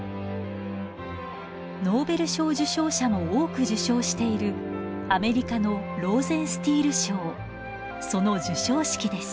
ノーベル賞受賞者も多く受賞しているアメリカのローゼンスティール賞その授賞式です。